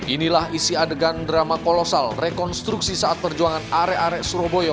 inilah isi adegan drama kolosal rekonstruksi saat perjuangan arek arek surabaya